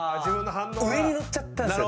上に乗っちゃったんすよ。